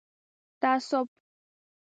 تعصب